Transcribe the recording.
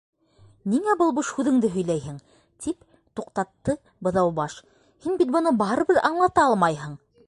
—Ниңә был буш һүҙеңде һөйләйһең, —тип туҡтатты Быҙаубаш, —һин бит быны барыбер аңлата алмайһың?